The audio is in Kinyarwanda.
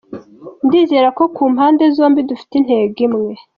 Ndizera ko ku mpande zombi dufite intego imwe.